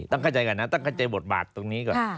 ต้องเข้าใจก่อนนะต้องเข้าใจบทบาทตรงนี้ก่อน